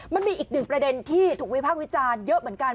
มันมีอีกหนึ่งประเด็นที่ถูกวิพากษ์วิจารณ์เยอะเหมือนกัน